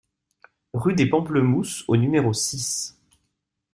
Rue des Pamplemousses au numéro six